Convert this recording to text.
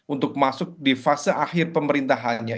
untuk masuk di fase akhir pemerintahannya